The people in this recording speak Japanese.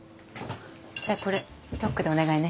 じゃあこれロックでお願いね。